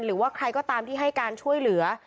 หรือว่าใครก็ตามที่ให้การช่วยเหลือ